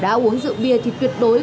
đã uống rượu bia thì tuyệt đối